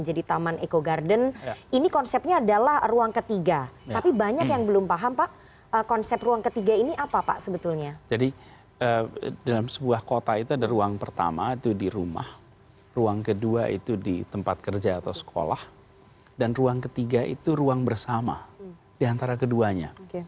jadi dalam sebuah kota itu ada ruang pertama itu di rumah ruang kedua itu di tempat kerja atau sekolah dan ruang ketiga itu ruang bersama di antara keduanya